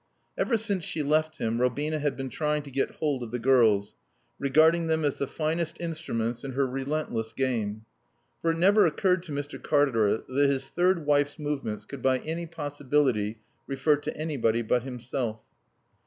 Ever since she left him, Robina had been trying to get hold of the girls, regarding them as the finest instruments in her relentless game. For it never occurred to Mr. Cartaret that his third wife's movements could by any possibility refer to anybody but himself.